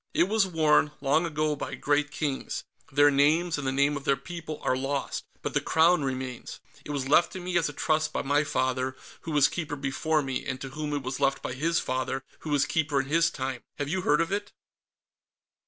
It was worn, long ago, by great kings. Their names, and the name of their people, are lost, but the Crown remains. It was left to me as a trust by my father, who was Keeper before me and to whom it was left by his father, who was Keeper in his time. Have you heard of it?"